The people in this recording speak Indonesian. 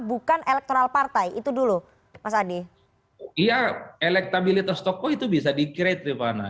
bukan elektoral partai itu dulu mas adi iya elektabilitas tokoh itu bisa dikira triwana